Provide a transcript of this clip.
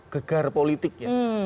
gegar politik ya